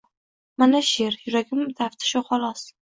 Mana she’r, yuragim tafti shu xolos